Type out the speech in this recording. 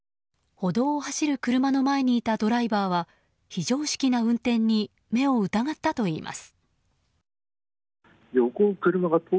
歩道を走る車の前にいたドライバーは、非常識な運転に目を疑ったといいます。